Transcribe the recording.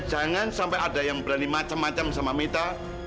jangan sampai ada yang berani macem macem sama mita